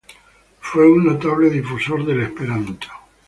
Fue un notable difusor del esperanto.